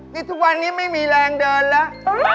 นี่ทุกวันนี้ไม่มีแรงเดินแล้ว